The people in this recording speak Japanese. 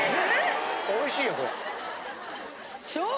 おいしいよこれ。